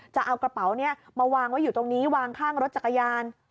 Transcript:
จะเอากระเป๋านี้มาวางไว้อยู่ตรงนี้วางข้างรถจักรยาน